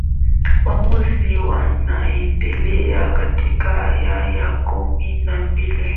waamuzi wanaendelea katika aya ya kumi na mbili